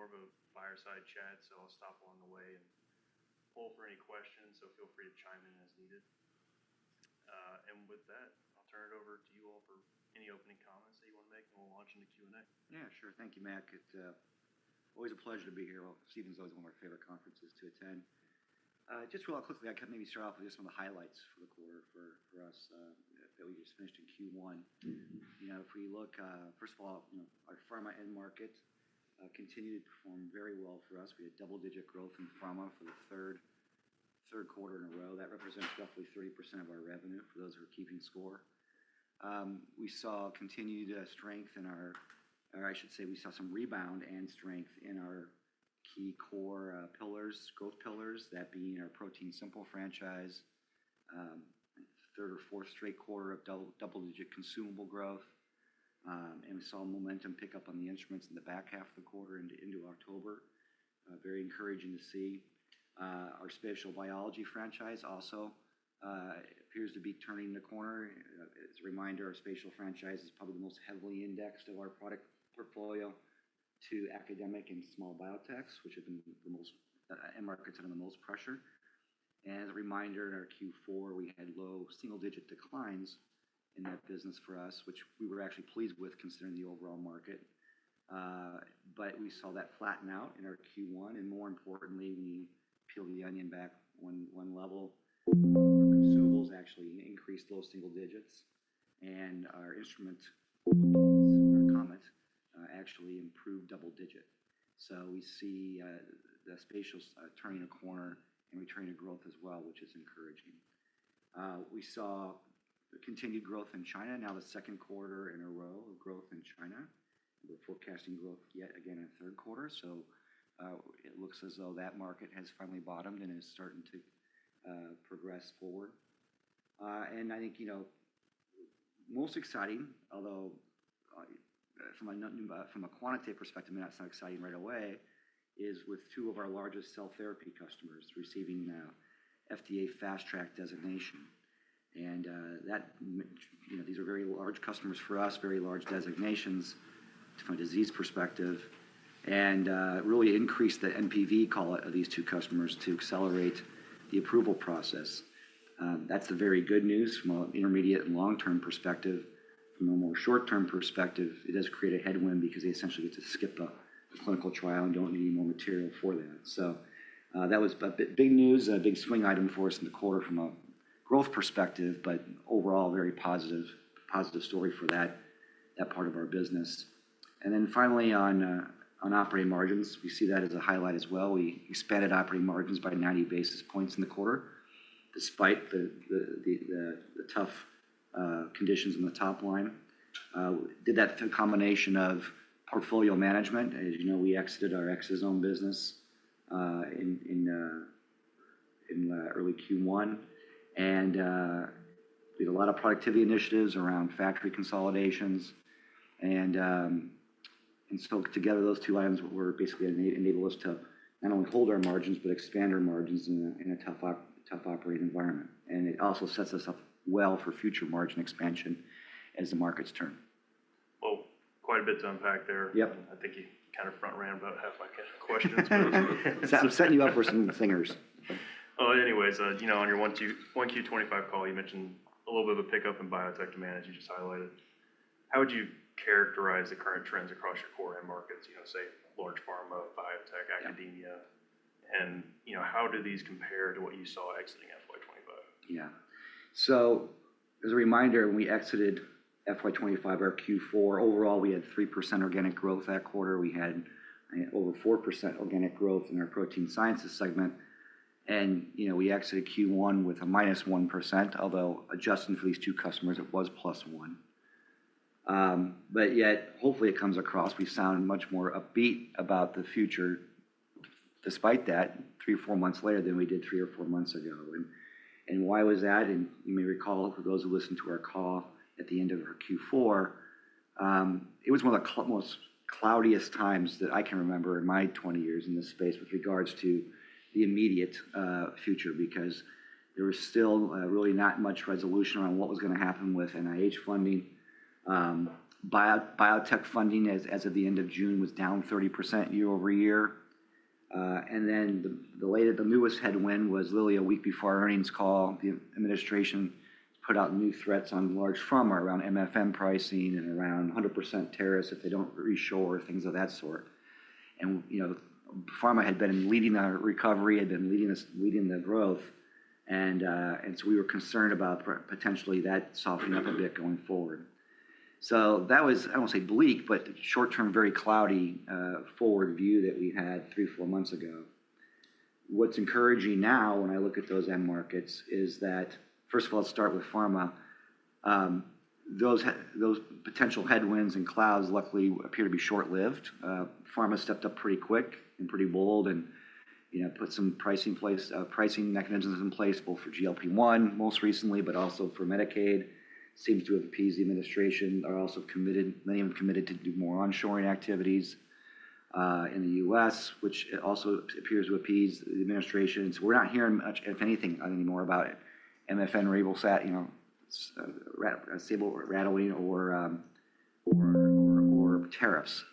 Intend to be more of a fireside chat, so I'll stop along the way and pull for any questions, so feel free to chime in as needed. With that, I'll turn it over to you all for any opening comments that you want to make, and we'll launch into Q and A. Yeah, sure. Thank you, Mac. It's always a pleasure to be here. Stephen's always one of my favorite conferences to attend. Just real quickly, I can maybe start off with just some of the highlights for the quarter for us that we just finished in Q1. If we look, first of all, our pharma end market continued to perform very well for us. We had double-digit growth in pharma for the third quarter in a row. That represents roughly 30% of our revenue for those who are keeping score. We saw continued strength in our—or I should say, we saw some rebound and strength in our key core pillars, growth pillars, that being our ProteinSimple franchise, third or fourth straight quarter of double-digit consumable growth. And we saw momentum pick up on the instruments in the back half of the quarter into October. Very encouraging to see. Our spatial biology franchise also appears to be turning the corner. As a reminder, our spatial franchise is probably the most heavily indexed of our product portfolio to academic and small biotechs, which have been the most end markets under the most pressure. As a reminder, in our Q4, we had low single-digit declines in that business for us, which we were actually pleased with considering the overall market. We saw that flatten out in our Q1. More importantly, we peeled the onion back one level. Consumables actually increased low single digits, and our instruments, or components, actually improved double-digit. We see the spatial turning a corner and returning to growth as well, which is encouraging. We saw continued growth in China, now the second quarter in a row of growth in China. We're forecasting growth yet again in the third quarter. It looks as though that market has finally bottomed and is starting to progress forward. I think most exciting, although from a quantitative perspective, it may not sound exciting right away, is with two of our largest cell therapy customers receiving FDA fast-track designation. These are very large customers for us, very large designations from a disease perspective, and really increased the NPV, call it, of these two customers to accelerate the approval process. That is the very good news from an intermediate and long-term perspective. From a more short-term perspective, it does create a headwind because they essentially get to skip the clinical trial and do not need any more material for that. That was big news, a big swing item for us in the quarter from a growth perspective, but overall, very positive story for that part of our business. Finally, on operating margins, we see that as a highlight as well. We expanded operating margins by 90 basis points in the quarter despite the tough conditions in the top line. We did that through a combination of portfolio management. As you know, we exited our Exosome business in early Q1. We had a lot of productivity initiatives around factory consolidations and together those two items basically enabled us to not only hold our margins but expand our margins in a tough operating environment. It also sets us up well for future margin expansion as the markets turn. Quite a bit to unpack there. I think you kind of front-ran about half my questions. I'm setting you up for some zingers. On your 1Q25 call, you mentioned a little bit of a pickup in biotech demand as you just highlighted. How would you characterize the current trends across your core end markets, say, large pharma, biotech, academia? How do these compare to what you saw exiting FY2025? Yeah. As a reminder, when we exited FY2025, our Q4, overall, we had 3% organic growth that quarter. We had over 4% organic growth in our protein sciences segment. We exited Q1 with a -1%, although adjusting for these two customers, it was +1%. Hopefully, it comes across. We sound much more upbeat about the future despite that three or four months later than we did three or four months ago. Why was that? You may recall, for those who listened to our call at the end of our Q4, it was one of the most cloudiest times that I can remember in my 20 years in this space with regards to the immediate future because there was still really not much resolution on what was going to happen with NIH funding. Biotech funding, as of the end of June, was down 30% year over year. The latest and newest headwind was literally a week before our earnings call, the administration put out new threats on large pharma around MFN pricing and around 100% tariffs if they do not reshore, things of that sort. Pharma had been leading the recovery, had been leading the growth. We were concerned about potentially that softening up a bit going forward. That was, I do not want to say bleak, but short-term, very cloudy forward view that we had three four months ago. What is encouraging now when I look at those end markets is that, first of all, let's start with pharma. Those potential headwinds and clouds, luckily, appear to be short-lived. Pharma stepped up pretty quick and pretty bold and put some pricing mechanisms in place both for GLP-1 most recently, but also for Medicaid. Seems to appease the administration. They're also committed, many of them committed to do more onshoring activities in the U.S. which also appears to appease the administration. We're not hearing much, if anything, anymore about MFN, saber rattling, or tariffs.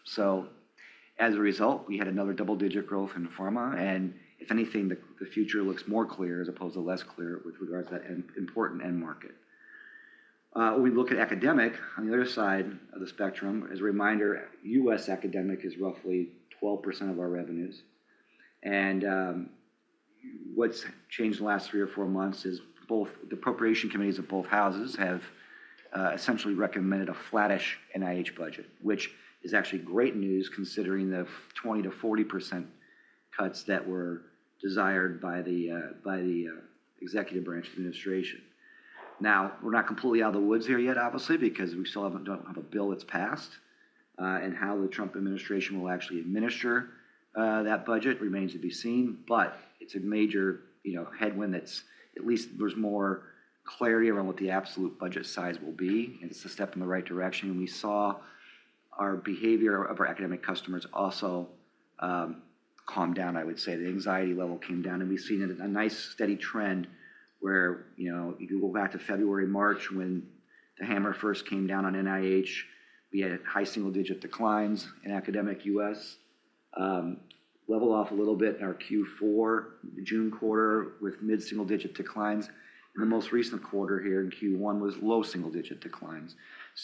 As a result, we had another double-digit growth in pharma. If anything, the future looks more clear as opposed to less clear with regards to that important end market. We look at academic on the other side of the spectrum. As a reminder, U.S. academic is roughly 12% of our revenues. What's changed in the last three or four months is both the appropriation committees of both houses have essentially recommended a flattish NIH budget, which is actually great news considering the 20%-40% cuts that were desired by the executive branch administration. Now, we're not completely out of the woods here yet, obviously, because we still don't have a bill that's passed. How the Trump administration will actually administer that budget remains to be seen. It's a major headwind, but at least there's more clarity around what the absolute budget size will be. It's a step in the right direction. We saw the behavior of our academic customers also calm down, I would say. The anxiety level came down. We have seen a nice steady trend where if you go back to February, March, when the hammer first came down on NIH, we had high single-digit declines in academic U.S. level off a little bit in our Q4, the June quarter, with mid-single-digit declines. The most recent quarter here in Q1 was low single-digit declines.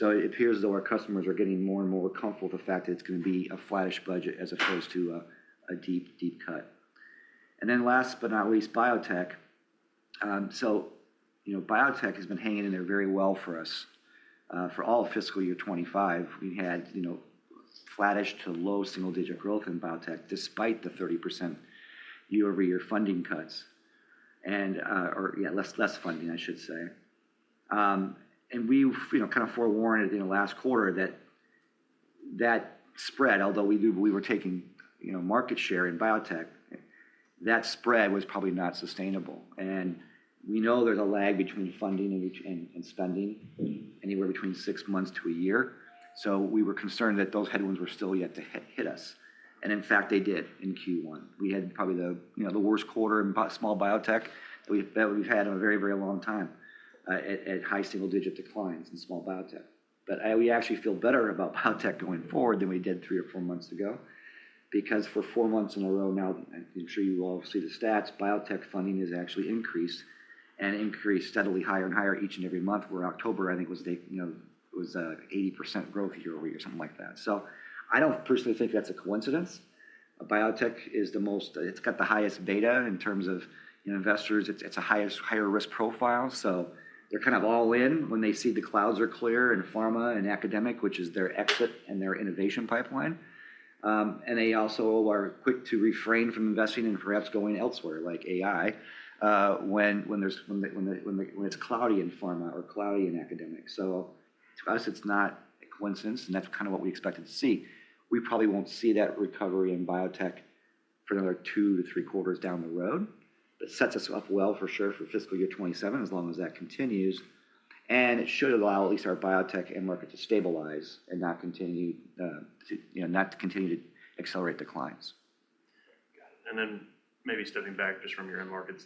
It appears as though our customers are getting more and more comfortable with the fact that it is going to be a flattish budget as opposed to a deep, deep cut. Last but not least, biotech. Biotech has been hanging in there very well for us for all of fiscal year 2025. We had flattish to low single-digit growth in biotech despite the 30% year-over-year funding cuts or, yeah, less funding, I should say. We kind of forewarned in the last quarter that that spread, although we knew we were taking market share in biotech, that spread was probably not sustainable. We know there is a lag between funding and spending anywhere between six months to a year. We were concerned that those headwinds were still yet to hit us. In fact, they did in Q1. We had probably the worst quarter in small biotech that we have had in a very, very long time at high single-digit declines in small biotech. We actually feel better about biotech going forward than we did three or four months ago because for four months in a row now, I am sure you all see the stats, biotech funding has actually increased and increased steadily higher and higher each and every month, where October, I think, was 80% growth year over year, something like that. I don't personally think that's a coincidence. Biotech is the most, it's got the highest beta in terms of investors. It's a higher risk profile. They're kind of all in when they see the clouds are clear in pharma and academic, which is their exit and their innovation pipeline. They also are quick to refrain from investing in perhaps going elsewhere like AI when it's cloudy in pharma or cloudy in academic. To us, it's not a coincidence. That's kind of what we expected to see. We probably won't see that recovery in biotech for another two to three quarters down the road. It sets us up well for sure for fiscal year 2027 as long as that continues. It should allow at least our biotech end market to stabilize and not continue to accelerate declines. Got it. Maybe stepping back just from your end markets,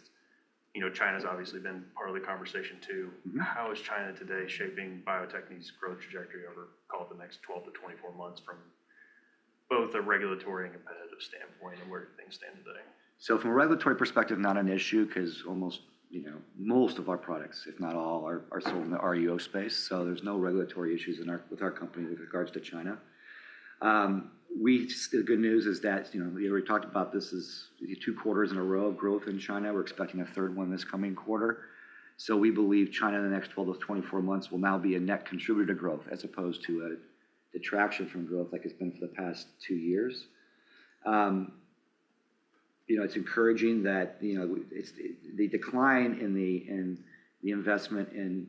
China's obviously been part of the conversation too. How is China today shaping Bio-Techne's growth trajectory over, call it, the next 12 months-24 months from both a regulatory and competitive standpoint, and where do things stand today? From a regulatory perspective, not an issue because almost most of our products, if not all, are sold in the REO space. There are no regulatory issues with our company with regards to China. The good news is that we talked about this is two quarters in a row of growth in China. We're expecting a third one this coming quarter. We believe China in the next 12 months-24 months will now be a net contributor to growth as opposed to a detraction from growth like it's been for the past two years. It's encouraging that the decline in the investment in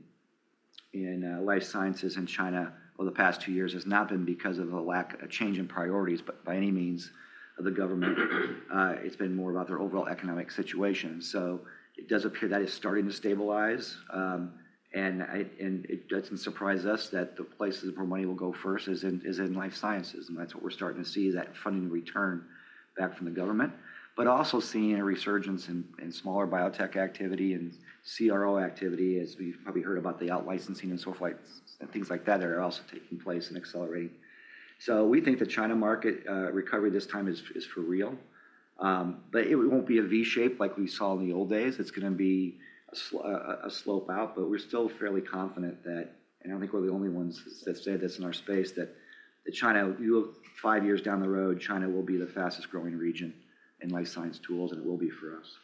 life sciences in China over the past two years has not been because of a change in priorities, by any means of the government. It's been more about their overall economic situation. It does appear that is starting to stabilize. It does not surprise us that the places where money will go first is in life sciences. That is what we are starting to see, that funding return back from the government, but also seeing a resurgence in smaller biotech activity and CRO activity as we have probably heard about the outlicensing and things like that that are also taking place and accelerating. We think the China market recovery this time is for real. It will not be a V-shape like we saw in the old days. It is going to be a slope out. We are still fairly confident that, and I do not think we are the only ones that say this in our space, that China, five years down the road, China will be the fastest growing region in life science tools, and it will be for us.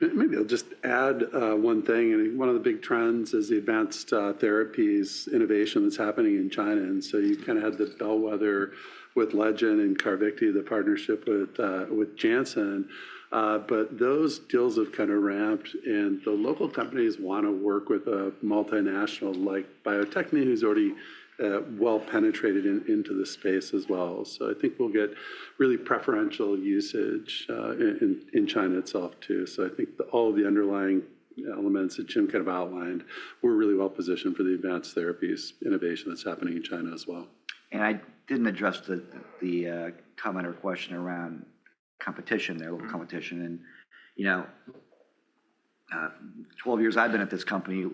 Maybe I'll just add one thing. One of the big trends is the advanced therapies innovation that's happening in China. You kind of had the bellwether with Legend and Carvykti, the partnership with Janssen. Those deals have kind of ramped. The local companies want to work with a multinational like Bio-Techne, who's already well penetrated into the space as well. I think we'll get really preferential usage in China itself too. I think all of the underlying elements that Jim kind of outlined were really well positioned for the advanced therapies innovation that's happening in China as well. I did not address the comment or question around competition there, local competition. In 12 years I have been at this company,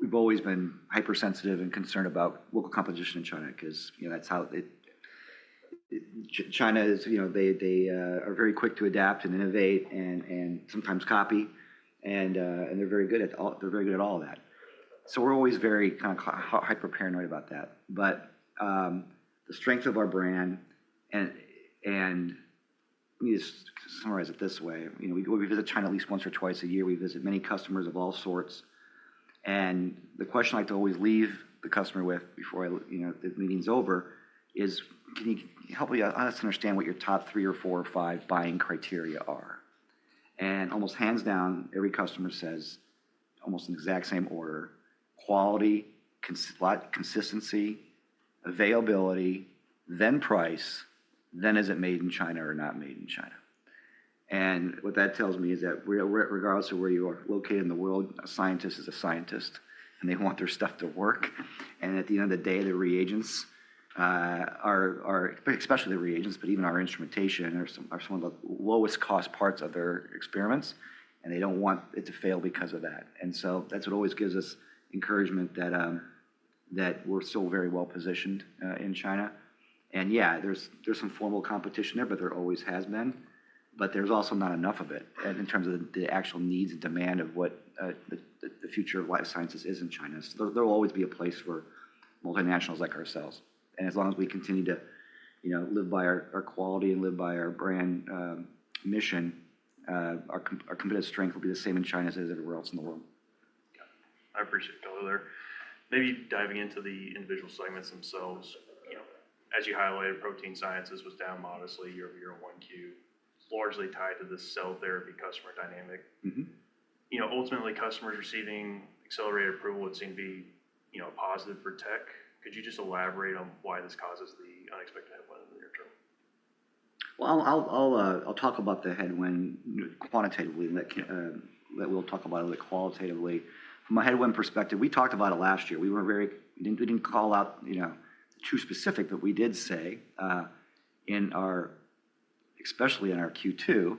we have always been hypersensitive and concerned about local competition in China because that is how China is. They are very quick to adapt and innovate and sometimes copy. They are very good at all that. We are always very kind of hyper-paranoid about that. The strength of our brand, and let me just summarize it this way. We visit China at least once or twice a year. We visit many customers of all sorts. The question I like to always leave the customer with before the meeting is over is, can you help us understand what your top three or four or five buying criteria are? Almost hands down, every customer says almost in the exact same order: quality, consistency, availability, then price, then is it made in China or not made in China. What that tells me is that regardless of where you are located in the world, a scientist is a scientist, and they want their stuff to work. At the end of the day, the reagents, especially the reagents, but even our instrumentation, are some of the lowest-cost parts of their experiments. They do not want it to fail because of that. That is what always gives us encouragement that we are still very well positioned in China. Yeah, there is some formal competition there, but there always has been. There is also not enough of it in terms of the actual needs and demand of what the future of life sciences is in China. There will always be a place for multinationals like ourselves. As long as we continue to live by our quality and live by our brand mission, our competitive strength will be the same in China as it is everywhere else in the world. Got it. I appreciate that, Hippel. Maybe diving into the individual segments themselves. As you highlighted, protein sciences was down modestly year over year in one Q, largely tied to the cell therapy customer dynamic. Ultimately, customers receiving accelerated approval would seem to be a positive for tech. Could you just elaborate on why this causes the unexpected headwind in the near term? I'll talk about the headwind quantitatively and let Will talk about it qualitatively. From a headwind perspective, we talked about it last year. We didn't call out too specific, but we did say, especially in our Q2,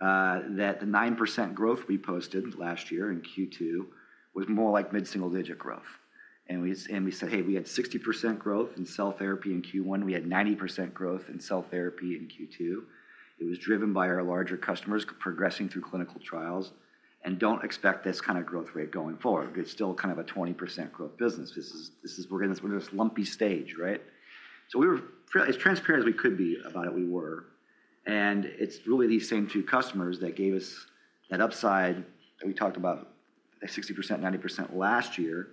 that the 9% growth we posted last year in Q2 was more like mid-single-digit growth. We said, "Hey, we had 60% growth in cell therapy in Q1. We had 90% growth in cell therapy in Q2." It was driven by our larger customers progressing through clinical trials. Don't expect this kind of growth rate going forward. It's still kind of a 20% growth business. We're in this lumpy stage, right? We were as transparent as we could be about it. We were. It is really these same two customers that gave us that upside that we talked about, 60%, 90% last year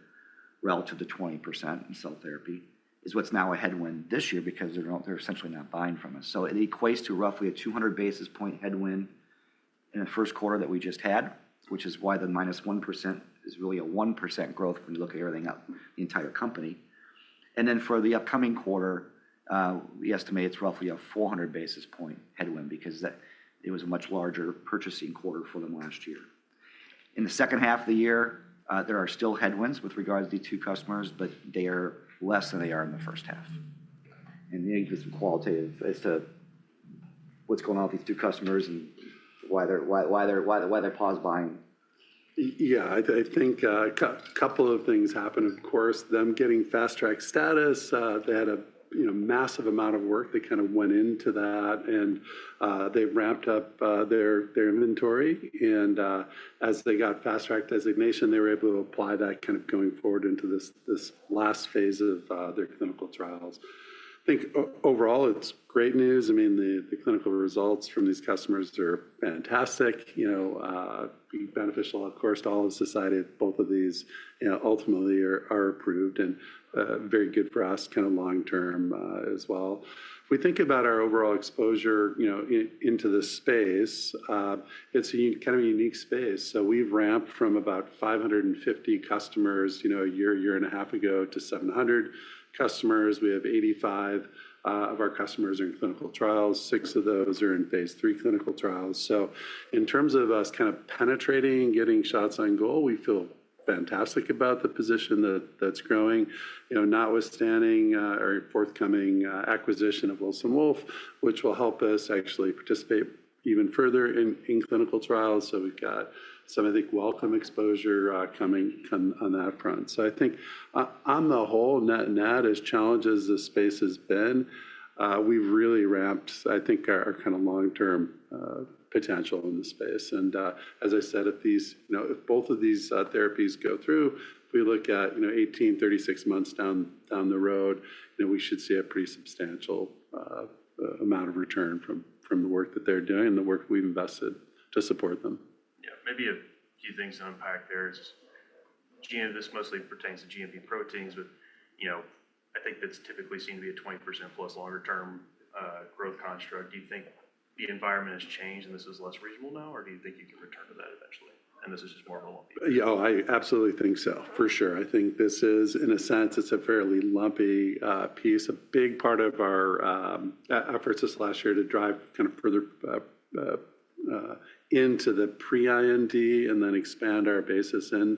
relative to 20% in cell therapy is what is now a headwind this year because they are essentially not buying from us. It equates to roughly a 200 basis point headwind in the first quarter that we just had, which is why the -1% is really a 1% growth when you look at everything up, the entire company. For the upcoming quarter, we estimate it is roughly a 400 basis point headwind because it was a much larger purchasing quarter for them last year. In the second half of the year, there are still headwinds with regards to these two customers, but they are less than they are in the first half. Maybe just some qualitative as to what's going on with these two customers and why they paused buying. Yeah. I think a couple of things happened, of course. Them getting fast-track status, they had a massive amount of work that kind of went into that. They ramped up their inventory. As they got fast-track designation, they were able to apply that kind of going forward into this last phase of their clinical trials. I think overall, it's great news. I mean, the clinical results from these customers are fantastic. It'd be beneficial, of course, to all of society if both of these ultimately are approved and very good for us kind of long-term as well. If we think about our overall exposure into this space, it's kind of a unique space. We have ramped from about 550 customers a year, year and a half ago to 700 customers. We have 85 of our customers in clinical trials. Six of those are in phase III clinical trials. In terms of us kind of penetrating, getting shots on goal, we feel fantastic about the position that's growing, notwithstanding our forthcoming acquisition of Wilson Wolf, which will help us actually participate even further in clinical trials. We've got some, I think, welcome exposure coming on that front. I think on the whole, net-net as challenging as the space has been, we've really ramped, I think, our kind of long-term potential in the space. As I said, if both of these therapies go through, if we look at 18 months-36 months down the road, we should see a pretty substantial amount of return from the work that they're doing and the work we've invested to support them. Yeah. Maybe a few things to unpack there. This mostly pertains to GMP proteins, but I think that's typically seen to be a 20% plus longer-term growth construct. Do you think the environment has changed and this is less reasonable now, or do you think you can return to that eventually? This is just more of a lumpy. Yeah, I absolutely think so, for sure. I think this is, in a sense, it's a fairly lumpy piece. A big part of our efforts this last year to drive kind of further into the pre-IND and then expand our basis in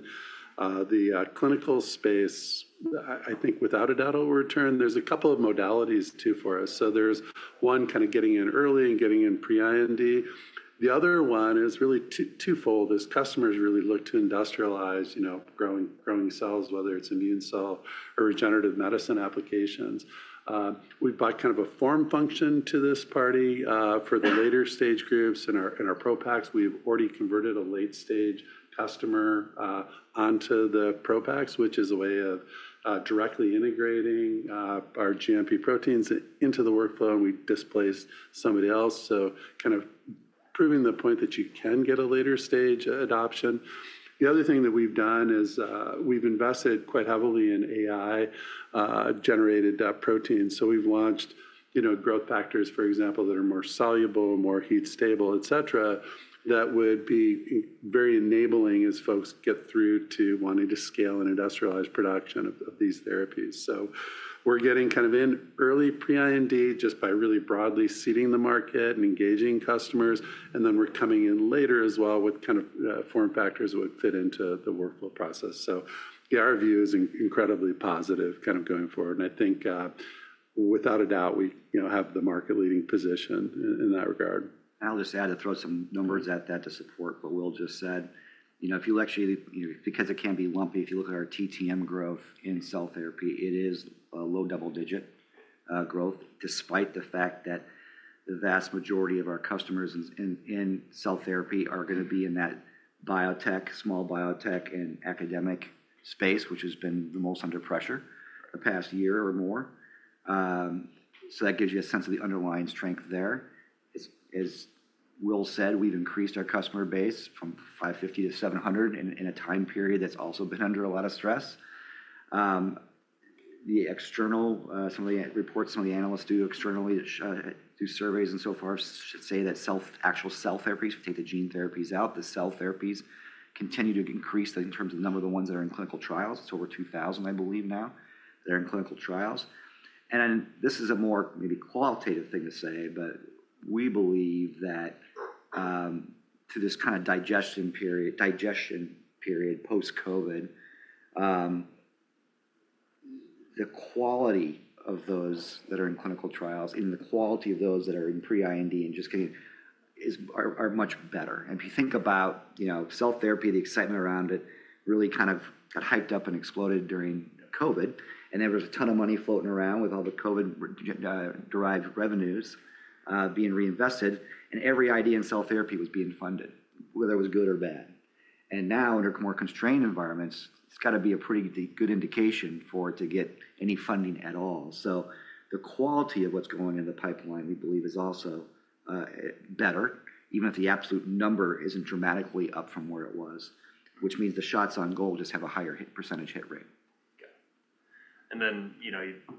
the clinical space, I think without a doubt it will return. There's a couple of modalities too for us. There's one kind of getting in early and getting in pre-IND. The other one is really twofold as customers really look to industrialize growing cells, whether it's immune cell or regenerative medicine applications. We've brought kind of a form function to this party for the later stage groups. In our ProPaks, we've already converted a late-stage customer onto the ProPaks, which is a way of directly integrating our GMP proteins into the workflow. We displaced somebody else. Kind of proving the point that you can get a later stage adoption. The other thing that we've done is we've invested quite heavily in AI-generated proteins. We've launched growth factors, for example, that are more soluble, more heat-stable, et cetera, that would be very enabling as folks get through to wanting to scale and industrialize production of these therapies. We're getting kind of in early pre-IND just by really broadly seeding the market and engaging customers. Then we're coming in later as well with kind of form factors that would fit into the workflow process. Our view is incredibly positive going forward. I think without a doubt, we have the market-leading position in that regard. I'll just add to throw some numbers at that to support what Will just said. If you look actually, because it can be lumpy, if you look at our TTM growth in cell therapy, it is a low double-digit growth despite the fact that the vast majority of our customers in cell therapy are going to be in that biotech, small biotech, and academic space, which has been the most under pressure the past year or more. That gives you a sense of the underlying strength there. As Will said, we've increased our customer base from 550 to 700 in a time period that's also been under a lot of stress. Some of the reports, some of the analysts do externally, do surveys, and so far, I should say that actual cell therapies, if we take the gene therapies out, the cell therapies continue to increase in terms of the number of the ones that are in clinical trials. It's over 2,000, I believe, now that are in clinical trials. This is a more maybe qualitative thing to say, but we believe that, in this kind of digestion period post-COVID, the quality of those that are in clinical trials, even the quality of those that are in pre-IND and just getting in, are much better. If you think about cell therapy, the excitement around it really kind of got hyped up and exploded during COVID. There was a ton of money floating around with all the COVID-derived revenues being reinvested. Every idea in cell therapy was being funded, whether it was good or bad. Now, under more constrained environments, it's got to be a pretty good indication for it to get any funding at all. The quality of what's going in the pipeline, we believe, is also better, even if the absolute number isn't dramatically up from where it was, which means the shots on goal just have a higher percentage hit rate. Got it.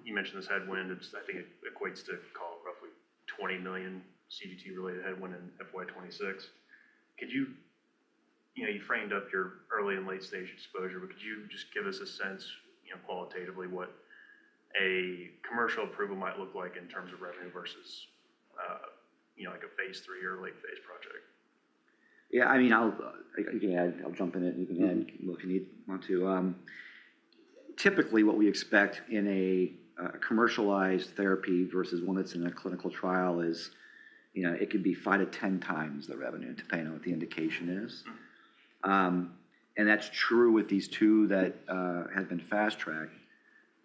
You mentioned this headwind. I think it equates to, call it, roughly $20 million CDT-related headwind in FY2026. You framed up your early and late-stage exposure, but could you just give us a sense qualitatively what a commercial approval might look like in terms of revenue versus a phase III or late-phase project? Yeah. I mean, I'll jump in and you can add what you need to. Typically, what we expect in a commercialized therapy versus one that's in a clinical trial is it could be 5x-10x the revenue depending on what the indication is. That's true with these two that have been fast-tracked.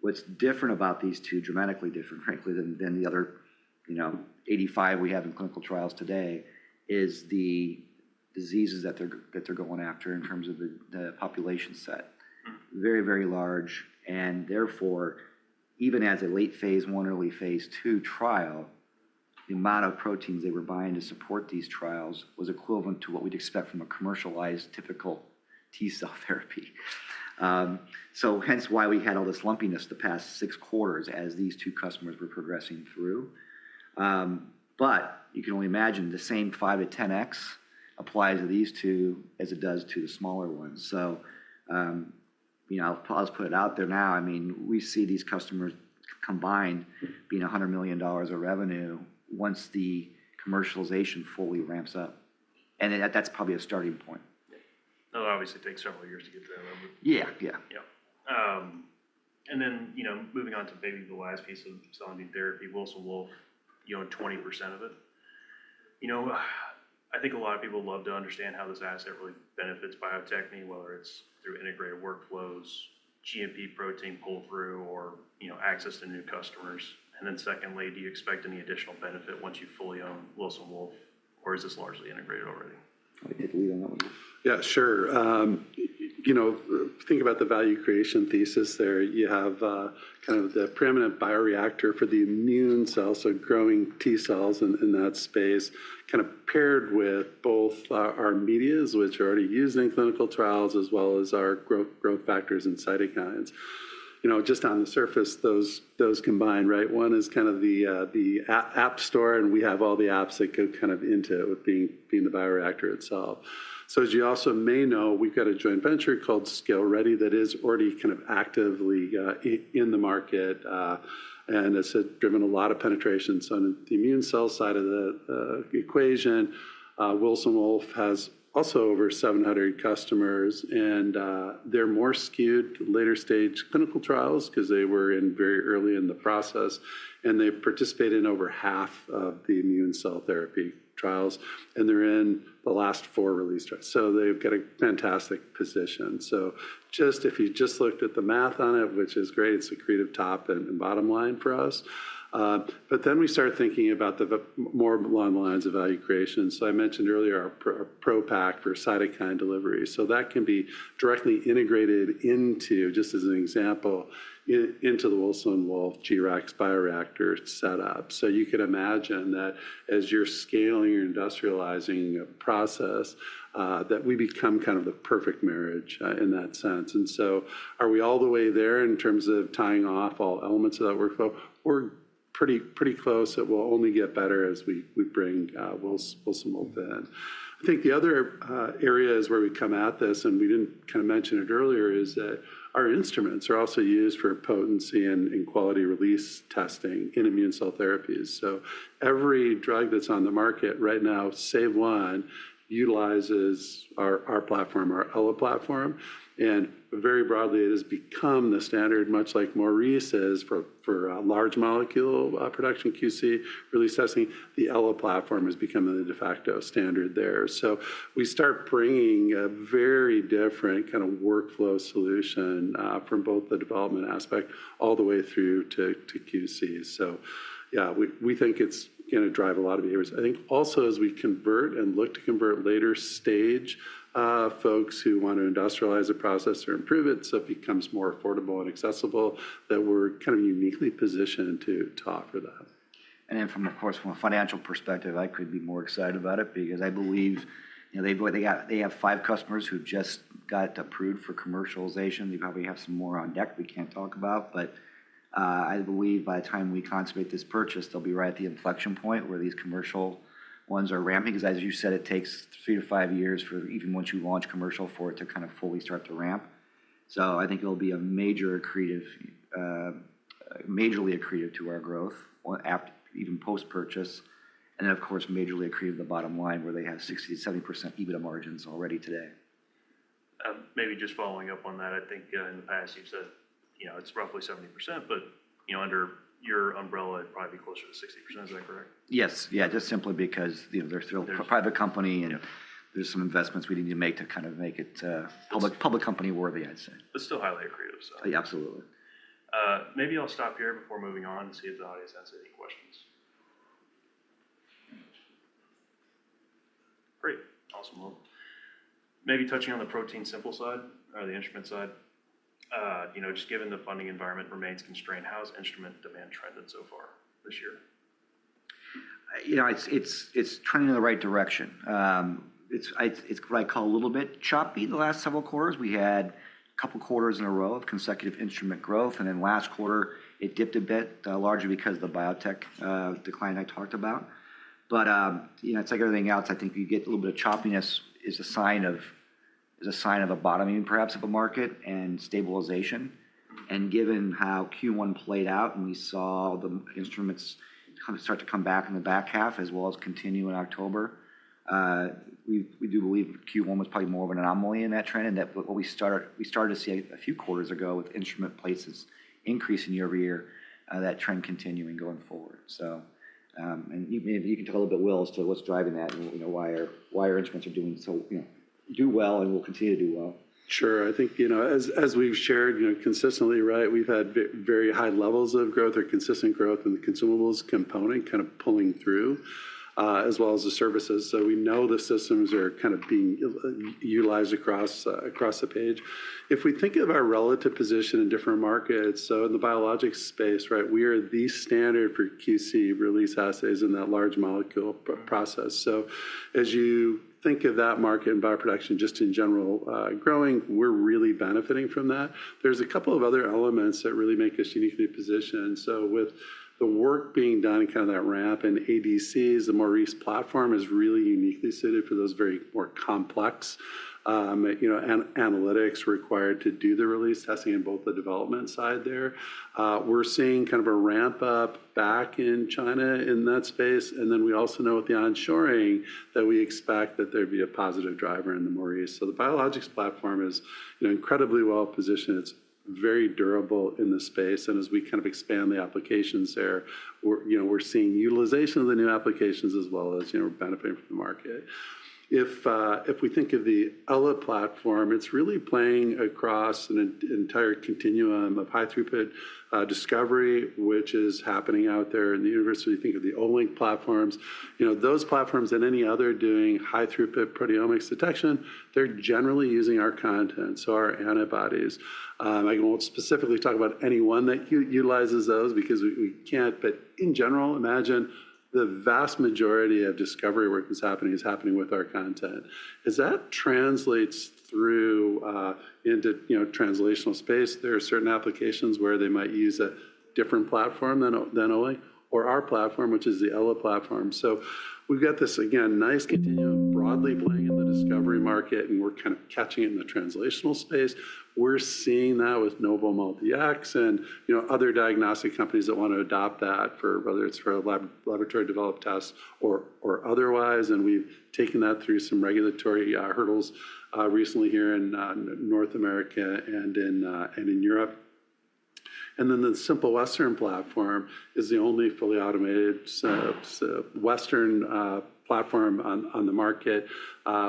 What's different about these two, dramatically different, frankly, than the other 85 we have in clinical trials today, is the diseases that they're going after in terms of the population set. Very, very large. Therefore, even as a late-phase I, early-phase II trial, the amount of proteins they were buying to support these trials was equivalent to what we'd expect from a commercialized typical T cell therapy. Hence why we had all this lumpiness the past six quarters as these two customers were progressing through. You can only imagine the same 5x-10x applies to these two as it does to the smaller ones. I'll just put it out there now. I mean, we see these customers combined being $100 million of revenue once the commercialization fully ramps up. That's probably a starting point. That'll obviously take several years to get to that number. Yeah. Yeah. Yeah. And then moving on to maybe the last piece of cell and gene therapy, Wilson Wolf, you own 20% of it. I think a lot of people love to understand how this asset really benefits Bio-Techne, whether it's through integrated workflows, GMP protein pull-through, or access to new customers. Then secondly, do you expect any additional benefit once you fully own Wilson Wolf, or is this largely integrated already? I'll get to Will on that one. Yeah, sure. Think about the value creation thesis there. You have kind of the preeminent bioreactor for the immune cells, so growing T cells in that space, kind of paired with both our medias, which are already used in clinical trials, as well as our growth factors and cytokines. Just on the surface, those combine, right? One is kind of the app store, and we have all the apps that go kind of into it with being the bioreactor itself. As you also may know, we've got a joint venture called ScaleReady that is already kind of actively in the market. It's driven a lot of penetration. On the immune cell side of the equation, Wilson Wolf has also over 700 customers. They're more skewed to later-stage clinical trials because they were in very early in the process. They participate in over half of the immune cell therapy trials. They're in the last four release trials. They've got a fantastic position. If you just looked at the math on it, which is great, it's accretive top and bottom line for us. We start thinking about the more long lines of value creation. I mentioned earlier our ProPak for cytokine delivery. That can be directly integrated into, just as an example, into the Wilson Wolf G-Rex bioreactor setup. You could imagine that as you're scaling your industrializing process, we become kind of the perfect marriage in that sense. Are we all the way there in terms of tying off all elements of that workflow? We're pretty close, and we'll only get better as we bring Wilson Wolf in. I think the other area is where we come at this, and we did not kind of mention it earlier, is that our instruments are also used for potency and quality release testing in immune cell therapies. Every drug that is on the market right now, save one, utilizes our platform, our Ella platform. Very broadly, it has become the standard, much like Maurice is for large molecule production QC release testing. The Ella platform has become the de facto standard there. We start bringing a very different kind of workflow solution from both the development aspect all the way through to QC. Yeah, we think it is going to drive a lot of behaviors. I think also as we convert and look to convert later-stage folks who want to industrialize the process or improve it, so it becomes more affordable and accessible, that we're kind of uniquely positioned to offer that. Of course, from a financial perspective, I could be more excited about it because I believe they have five customers who just got approved for commercialization. They probably have some more on deck we can't talk about. I believe by the time we consummate this purchase, they'll be right at the inflection point where these commercial ones are ramping. As you said, it takes three to five years for even once you launch commercial for it to kind of fully start to ramp. I think it'll be majorly accretive to our growth even post-purchase. Of course, majorly accretive to the bottom line where they have 60%-70% EBITDA margins already today. Maybe just following up on that, I think in the past, you've said it's roughly 70%, but under your umbrella, it'd probably be closer to 60%. Is that correct? Yes. Yeah. Just simply because they're still a private company and there's some investments we need to make to kind of make it public company-worthy, I'd say. Still highly accretive, so. Absolutely. Maybe I'll stop here before moving on and see if the audience has any questions. Great. Awesome. Maybe touching on the ProteinSimple side or the instrument side, just given the funding environment remains constrained, how has instrument demand trended so far this year? It's trending in the right direction. It's what I call a little bit choppy the last several quarters. We had a couple of quarters in a row of consecutive instrument growth. Last quarter, it dipped a bit, largely because of the biotech decline I talked about. It's like everything else. I think you get a little bit of choppiness is a sign of a bottoming, perhaps, of a market and stabilization. Given how Q1 played out and we saw the instruments start to come back in the back half as well as continue in October, we do believe Q1 was probably more of an anomaly in that trend. What we started to see a few quarters ago with instrument places increasing year over year, that trend continuing going forward. You can talk a little bit with Will as to what's driving that and why our instruments are doing so well and will continue to do well. Sure. I think as we've shared consistently, right, we've had very high levels of growth or consistent growth in the consumables component kind of pulling through as well as the services. We know the systems are kind of being utilized across the page. If we think of our relative position in different markets, in the biologics space, right, we are the standard for QC release assays in that large molecule process. As you think of that market and bioproduction just in general growing, we're really benefiting from that. There are a couple of other elements that really make us uniquely positioned. With the work being done in kind of that ramp in ADCs, the Maurice platform is really uniquely suited for those very more complex analytics required to do the release testing and both the development side there. We're seeing kind of a ramp-up back in China in that space. We also know with the onshoring that we expect that there'd be a positive driver in the Maurice. The biologics platform is incredibly well positioned. It's very durable in the space. As we kind of expand the applications there, we're seeing utilization of the new applications as well as benefiting from the market. If we think of the Ella platform, it's really playing across an entire continuum of high-throughput discovery, which is happening out there in the university. Think of the Olink platforms. Those platforms and any other doing high-throughput proteomics detection, they're generally using our content, so our antibodies. I won't specifically talk about anyone that utilizes those because we can't. In general, imagine the vast majority of discovery work that's happening is happening with our content. As that translates through into translational space, there are certain applications where they might use a different platform than Olink or our platform, which is the Ella platform. So we've got this, again, nice continuum broadly playing in the discovery market, and we're kind of catching it in the translational space. We're seeing that with NovomolDx and other diagnostic companies that want to adopt that, whether it's for a laboratory-developed test or otherwise. We've taken that through some regulatory hurdles recently here in North America and in Europe. The Simple Western platform is the only fully automated Western platform on the market.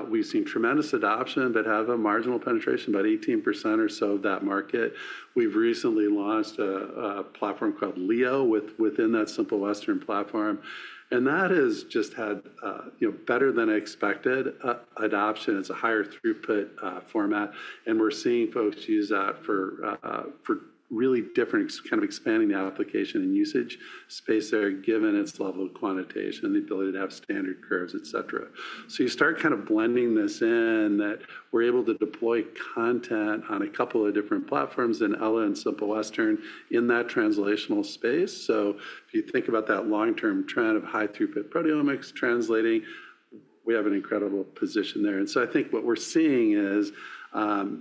We've seen tremendous adoption, but have a marginal penetration, about 18% or so of that market. We've recently launched a platform called Leo within that Simple Western platform. That has just had better than expected adoption. It's a higher throughput format. We're seeing folks use that for really different kind of expanding the application and usage space there given its level of quantitation, the ability to have standard curves, etc. You start kind of blending this in that we're able to deploy content on a couple of different platforms in Ella and Simple Western in that translational space. If you think about that long-term trend of high-throughput proteomics translating, we have an incredible position there. I think what we're seeing is,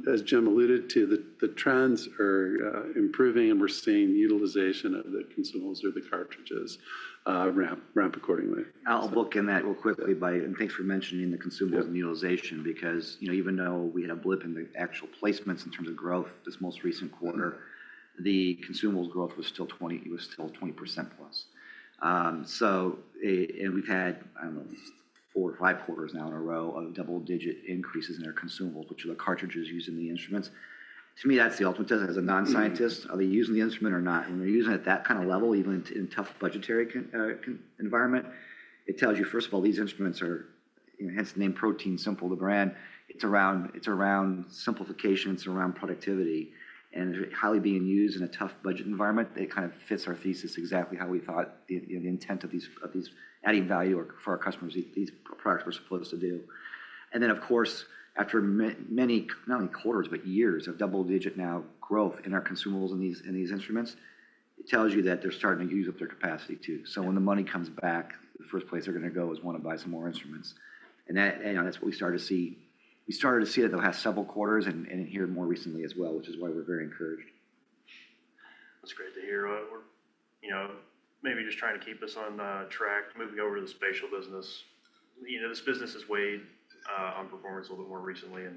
as Jim alluded to, the trends are improving, and we're seeing utilization of the consumables or the cartridges ramp accordingly. I'll book in that real quickly. Thanks for mentioning the consumables and utilization because even though we had a blip in the actual placements in terms of growth this most recent quarter, the consumables growth was still 20%+. We've had, I don't know, four or five quarters now in a row of double-digit increases in our consumables, which are the cartridges used in the instruments. To me, that's the ultimate test. As a non-scientist, are they using the instrument or not? When they're using it at that kind of level, even in a tough budgetary environment, it tells you, first of all, these instruments are, hence the name ProteinSimple, the brand. It's around simplification. It's around productivity. Highly being used in a tough budget environment, it kind of fits our thesis exactly how we thought the intent of these adding value for our customers, these products were supposed to do. Of course, after many, not only quarters, but years of double-digit now growth in our consumables and these instruments, it tells you that they're starting to use up their capacity too. When the money comes back, the first place they're going to go is want to buy some more instruments. That's what we started to see. We started to see that the last several quarters and here more recently as well, which is why we're very encouraged. That's great to hear. Maybe just trying to keep us on track, moving over to the spatial business. This business has weighed on performance a little bit more recently, and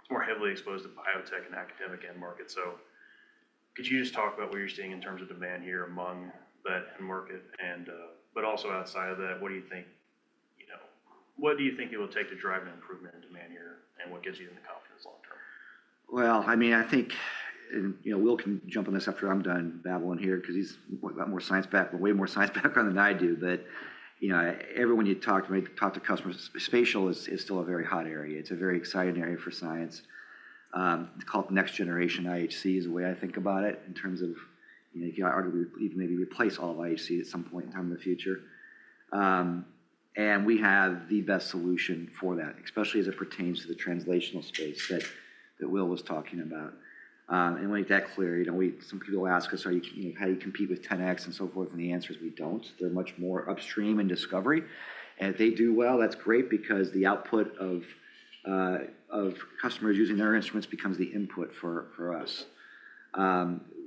it's more heavily exposed to biotech and academic end market. Could you just talk about what you're seeing in terms of demand here among that end market? Also, outside of that, what do you think it will take to drive an improvement in demand here, and what gives you the confidence long-term? I mean, I think Will can jump on this after I'm done babbling here because he's got more science background, way more science background than I do. Everyone you talk to, when you talk to customers, spatial is still a very hot area. It's a very exciting area for science. It's called next-generation IHC is the way I think about it in terms of you can arguably even maybe replace all of IHC at some point in time in the future. We have the best solution for that, especially as it pertains to the translational space that Will was talking about. Let me make that clear. Some people ask us, "How do you compete with 10x and so forth?" The answer is we don't. They're much more upstream in discovery. If they do well, that's great because the output of customers using their instruments becomes the input for us.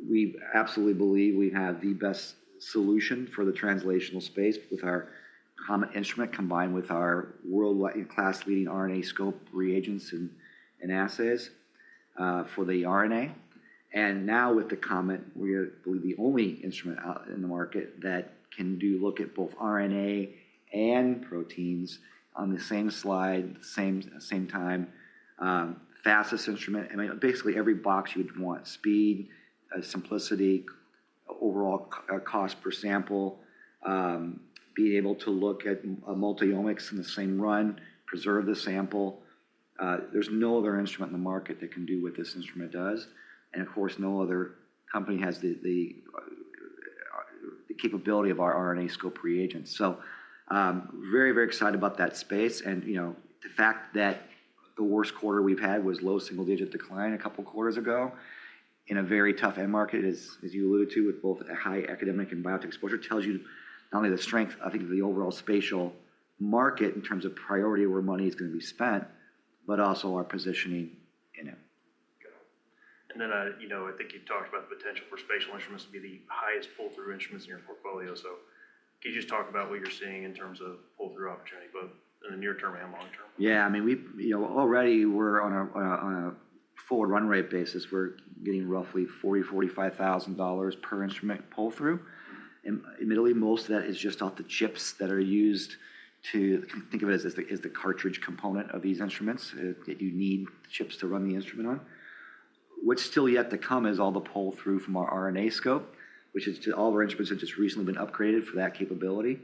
We absolutely believe we have the best solution for the translational space with our common instrument combined with our world-class leading RNAscope reagents and assays for the RNA. Now with the CosMx, we're going to be the only instrument in the market that can look at both RNA and proteins on the same slide, same time, fastest instrument. I mean, basically every box you'd want: speed, simplicity, overall cost per sample, being able to look at multi-omics in the same run, preserve the sample. There's no other instrument in the market that can do what this instrument does. Of course, no other company has the capability of our RNAscope reagents. Very, very excited about that space. The fact that the worst quarter we've had was low single-digit decline a couple of quarters ago in a very tough end market, as you alluded to, with both a high academic and biotech exposure tells you not only the strength, I think, of the overall spatial market in terms of priority where money is going to be spent, but also our positioning in it. I think you talked about the potential for spatial instruments to be the highest pull-through instruments in your portfolio. Could you just talk about what you're seeing in terms of pull-through opportunity, both in the near term and long term? Yeah. I mean, already we're on a full run rate basis. We're getting roughly $40,000-$45,000 per instrument pull-through. Admittedly, most of that is just off the chips that are used to think of it as the cartridge component of these instruments that you need chips to run the instrument on. What's still yet to come is all the pull-through from our RNAscope, which is all of our instruments have just recently been upgraded for that capability,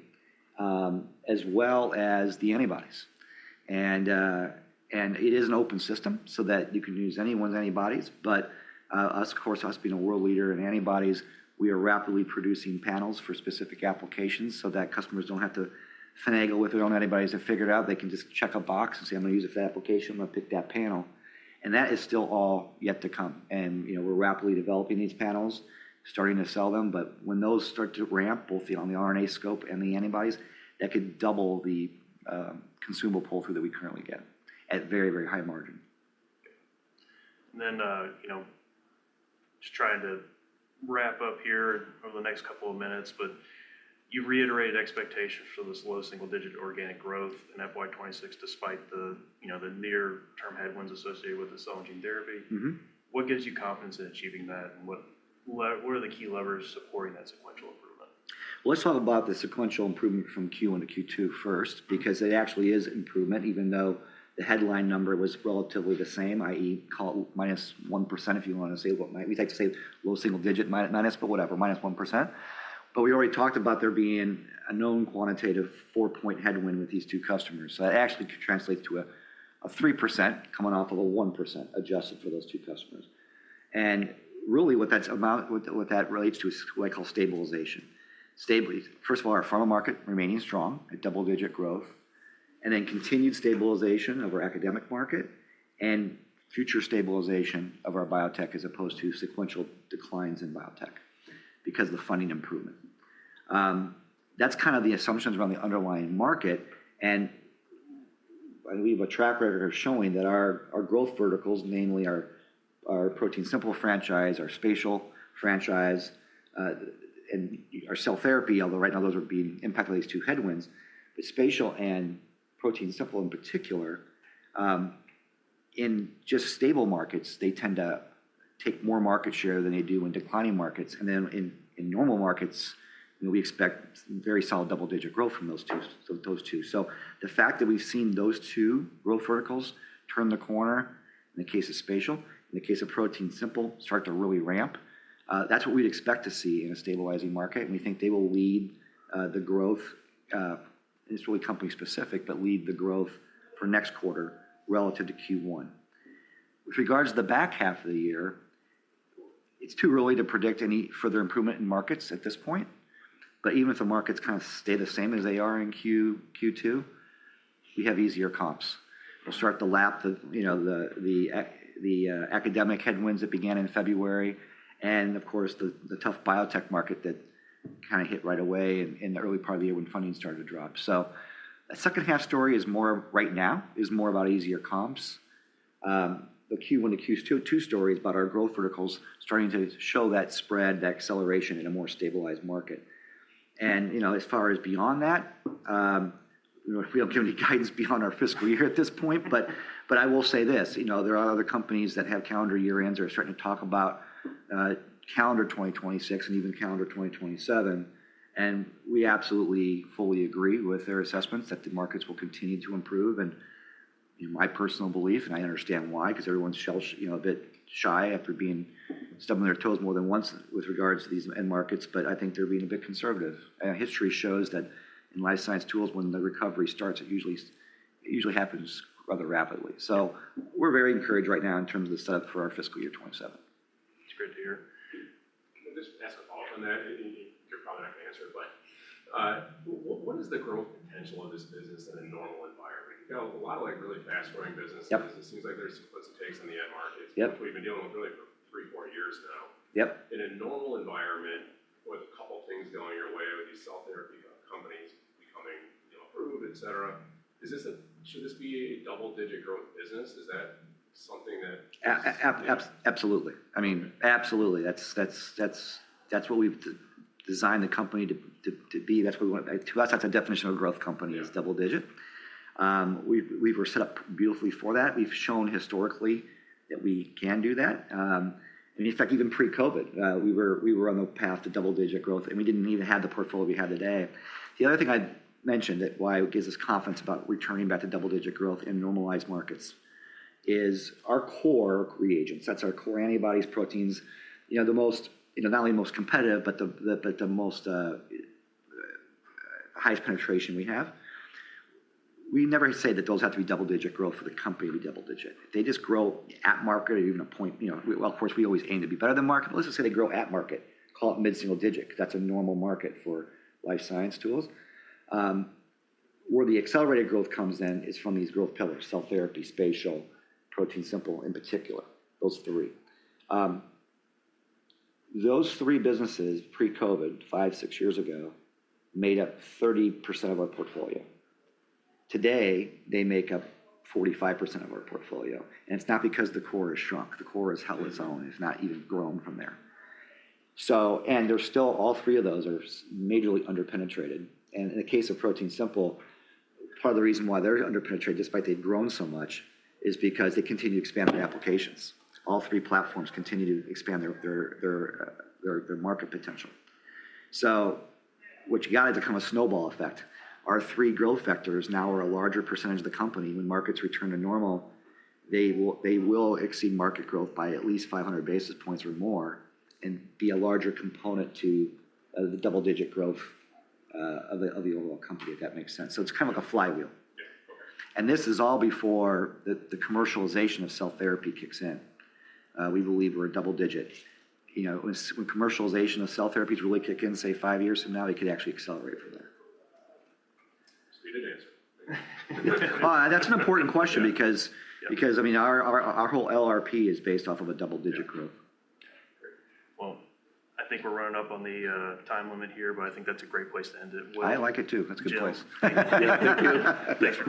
as well as the antibodies. It is an open system so that you can use anyone's antibodies. Us, of course, us being a world leader in antibodies, we are rapidly producing panels for specific applications so that customers don't have to finagle with their own antibodies to figure it out. They can just check a box and say, "I'm going to use this application. I'm going to pick that panel. That is still all yet to come. We are rapidly developing these panels, starting to sell them. When those start to ramp, both on the RNAscope and the antibodies, that could double the consumable pull-through that we currently get at very, very high margin. Just trying to wrap up here over the next couple of minutes, but you've reiterated expectations for this low single-digit organic growth in FY2026 despite the near-term headwinds associated with the cell and gene therapy. What gives you confidence in achieving that, and what are the key levers supporting that sequential improvement? Let's talk about the sequential improvement from Q1 to Q2 first because it actually is improvement, even though the headline number was relatively the same, i.e., -1% if you want to say what we like to say low single-digit minus, but whatever, -1%. We already talked about there being a known quantitative four-point headwind with these two customers. That actually translates to a 3% coming off of a 1% adjusted for those two customers. Really, what that relates to is what I call stabilization. First of all, our pharma market remaining strong at double-digit growth, and then continued stabilization of our academic market, and future stabilization of our biotech as opposed to sequential declines in biotech because of the funding improvement. That's kind of the assumptions around the underlying market. We have a track record of showing that our growth verticals mainly are our ProteinSimple franchise, our spatial franchise, and our cell therapy, although right now those are being impacted by these two headwinds. Spatial and ProteinSimple in particular, in just stable markets, tend to take more market share than they do in declining markets. In normal markets, we expect very solid double-digit growth from those two. The fact that we've seen those two growth verticals turn the corner in the case of spatial, in the case of ProteinSimple start to really ramp, that's what we'd expect to see in a stabilizing market. We think they will lead the growth, and it's really company-specific, but lead the growth for next quarter relative to Q1. With regards to the back half of the year, it's too early to predict any further improvement in markets at this point. Even if the markets kind of stay the same as they are in Q2, we have easier comps. We'll start to lap the academic headwinds that began in February, and of course, the tough biotech market that kind of hit right away in the early part of the year when funding started to drop. The second-half story right now is more about easier comps. The Q1 to Q2 story is about our growth verticals starting to show that spread, that acceleration in a more stabilized market. As far as beyond that, we don't give any guidance beyond our fiscal year at this point. I will say this. There are other companies that have calendar year-ends or are starting to talk about calendar 2026 and even calendar 2027. We absolutely fully agree with their assessments that the markets will continue to improve. My personal belief, and I understand why, because everyone's a bit shy after being stubborn on their toes more than once with regards to these end markets, but I think they're being a bit conservative. History shows that in life science tools, when the recovery starts, it usually happens rather rapidly. We are very encouraged right now in terms of the setup for our fiscal year 2027. That's great to hear. Just to ask a follow-up on that, you're probably not going to answer, but what is the growth potential of this business in a normal environment? You've got a lot of really fast-growing businesses. It seems like there's what it takes in the end markets. We've been dealing with really for three, four years now. In a normal environment, with a couple of things going your way with these cell therapy companies becoming approved, etc., should this be a double-digit growth business? Is that something that? Absolutely. I mean, absolutely. That's what we've designed the company to be. That's what we want. To us, that's a definition of a growth company is double-digit. We were set up beautifully for that. We've shown historically that we can do that. In fact, even pre-COVID, we were on the path to double-digit growth, and we didn't even have the portfolio we have today. The other thing I mentioned that why it gives us confidence about returning back to double-digit growth in normalized markets is our core reagents. That's our core antibodies, proteins, the most, not only most competitive, but the most highest penetration we have. We never say that those have to be double-digit growth for the company to be double-digit. They just grow at market or even a point. Of course, we always aim to be better than market. Let's just say they grow at market, call it mid-single digit, because that's a normal market for life science tools. Where the accelerated growth comes in is from these growth pillars: cell therapy, spatial, ProteinSimple in particular, those three. Those three businesses pre-COVID, five, six years ago, made up 30% of our portfolio. Today, they make up 45% of our portfolio. It's not because the core has shrunk. The core has held its own. It's not even grown from there. All three of those are majorly underpenetrated. In the case of ProteinSimple, part of the reason why they're underpenetrated, despite they've grown so much, is because they continue to expand their applications. All three platforms continue to expand their market potential. What you got is a kind of snowball effect. Our three growth factors now are a larger percentage of the company. When markets return to normal, they will exceed market growth by at least 500 basis points or more and be a larger component to the double-digit growth of the overall company, if that makes sense. It is kind of like a flywheel. This is all before the commercialization of cell therapy kicks in. We believe we are a double-digit. When commercialization of cell therapies really kick in, say, five years from now, it could actually accelerate from there. Speed of answer. That's an important question because, I mean, our whole LRP is based off of a double-digit growth. Okay. Great. I think we're running up on the time limit here, but I think that's a great place to end it. I like it too. That's a good place. Thank you. Thanks.